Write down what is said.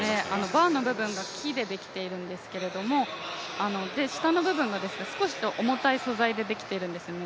バーの部分が木でできているんですけど、下の部分が少し重たい素材でできているんですよね。